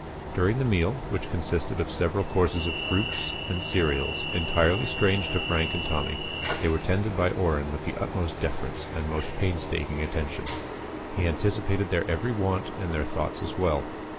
During the meal, which consisted of several courses of fruits and cereals entirely strange to Frank and Tommy, they were tended by Orrin with the utmost deference and most painstaking attention. He anticipated their every want and their thoughts as well.